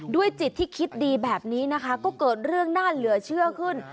จิตที่คิดดีแบบนี้นะคะก็เกิดเรื่องน่าเหลือเชื่อขึ้น